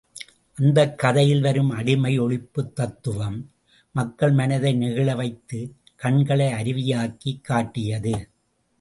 அந்தக் கதையில் வரும் அடிமை ஒழிப்புத் தத்துவம், மக்கள் மனத்தை நெகிழ வைத்துக் கண்களை அருவியாக்கிக் காட்டியது.